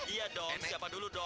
iya dong siapa dulu dong